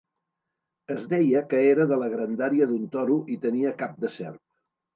Es deia que era de la grandària d'un toro i tenia cap de serp.